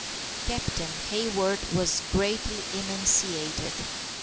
Captain Hayward was greatly emaciated.